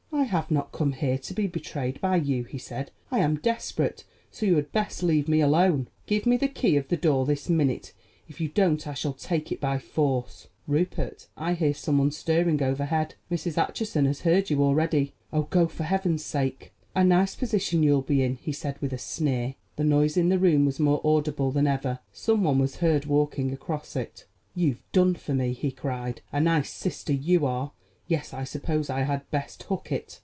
"I have not come here to be betrayed by you," he said. "I am desperate, so you had best leave me alone. Give me the key of the door this minute; if you don't I shall take it by force." "Rupert, I hear someone stirring overhead: Mrs. Acheson has heard you already. Oh, go, for Heaven's sake." "A nice position you'll be in," he said with a sneer. The noise in the room above was more audible than ever. Someone was heard walking across it. "You've done for me," he cried. "A nice sister you are! Yes, I suppose I had best hook it."